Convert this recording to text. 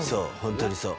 そう。